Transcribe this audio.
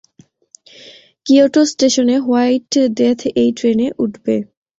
Kyoto স্টেশনে, white death এই ট্রেনে উঠবে।